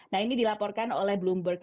nah ini dilaporkan oleh bloomberg